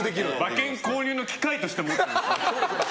馬券購入の機械として持っている。